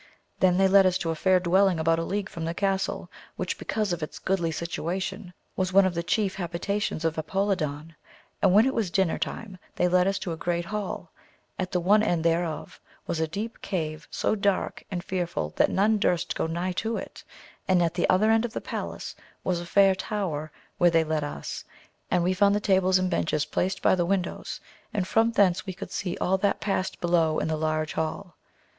They then led us to a fair dwelling, about a league from the castle, which, because of its goodly situation, was one of the chief habitations of Apolidon, and when it was dinner time they led us to a large hall, at the one end whereof was a deep cave so dark and fearful that none durst go nigh to it, and at the other end of the palace was a fair tower where they led us, and we found the tables and benches placed by the windows, and from thence we could see all that past below in the large hall.